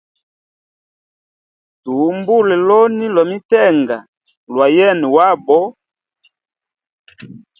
Tuhumbule loni lwa mitenga lwayene wabo.